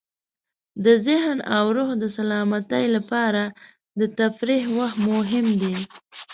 د ذهن او روح د سلامتۍ لپاره د تفریح وخت مهم دی.